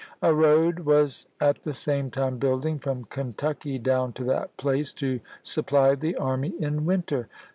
A road was at the same time building from Kentucky down to that place to supply the army in winter.